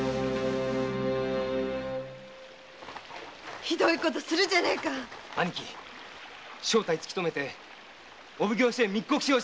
ひどい事するじゃねえか兄貴正体突きとめてお奉行所へ密告しようや。